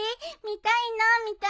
見たいな。